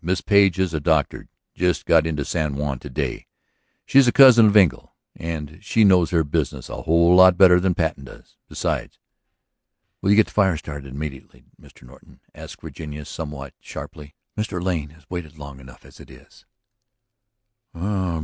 "Miss Page is a doctor; just got into San Juan to day. She's a cousin of Engle. And she knows her business a whole lot better than Patten does, besides." "Will you get the fire started immediately, Mr. Norton?" asked Virginia somewhat sharply. "Mr. Lane has waited long enough as it is."